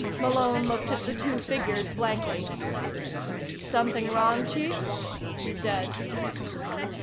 Malone looked at the two figures blankly. "Something wrong, Chief?" he said.